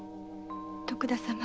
徳田様